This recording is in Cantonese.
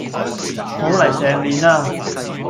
冇嚟成年喇